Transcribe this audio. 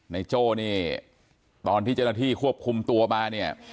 โจ้นี่ตอนที่เจ้าหน้าที่ควบคุมตัวมาเนี่ย